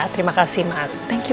terima kasih mas thank you